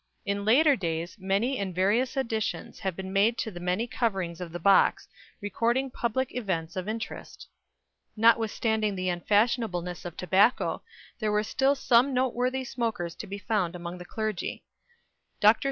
In later days many and various additions have been made to the many coverings of the box, recording public events of interest. Notwithstanding the unfashionableness of tobacco, there were still some noteworthy smokers to be found among the clergy. Dr.